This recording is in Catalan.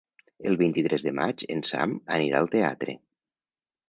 El vint-i-tres de maig en Sam anirà al teatre.